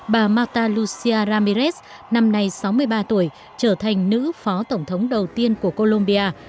bà mata lucia ramirez năm nay sáu mươi ba tuổi trở thành nữ phó tổng thống đầu tiên của colombia